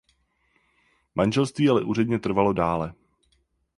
Manželství ale úředně trvalo dále.